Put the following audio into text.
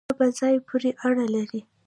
دا په ځای پورې اړه لري